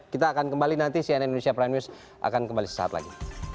kita akan kembali nanti cnn indonesia prime news akan kembali sesaat lagi